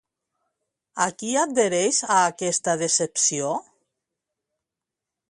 A qui adhereix a aquesta decepció?